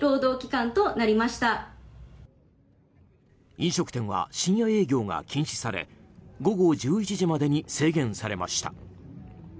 飲食店は深夜営業が禁止され午後１１時までに制限されました。